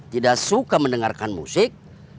tidak suka mendengarkan musik